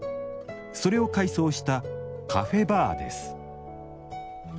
それを改装したカフェバーです。